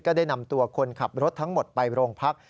ได้นำตัวคนขับรถทั้งหมดไปโรงพัก